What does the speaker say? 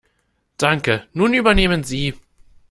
Danke. Nun übernehmen Sie.